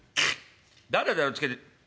誰だよつけた。